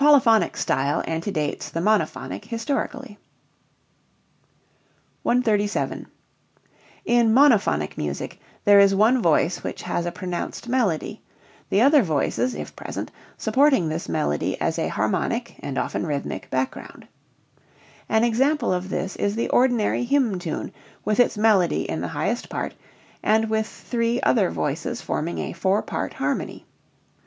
In monophonic music there is one voice which has a pronounced melody, the other voices (if present) supporting this melody as a harmonic (and often rhythmic) background. An example of this is the ordinary hymn tune with its melody in the highest part, and with three other voices forming a "four part harmony."